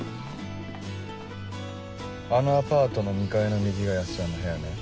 あのアパートの２階の右が安田の部屋ね。